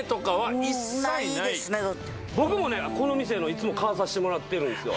僕もこの店のいつも買わさしてもらってるんすよ。